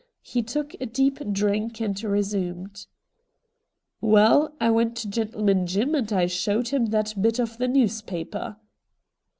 He took a deep drink and resumed. THE MAN FROM AFAR 43 ' Waal, I went to Gentleman Jim and I showed him that bit of the newspaper.'